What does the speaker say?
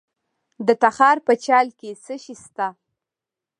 د تخار په چال کې څه شی شته؟